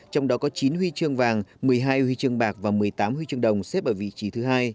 trong đó có chín huy chương vàng một mươi hai huy chương bạc và một mươi tám huy chương đồng xếp ở vị trí thứ hai